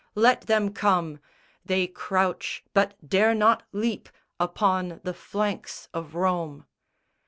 Let them come! They crouch, but dare not leap upon the flanks of Rome.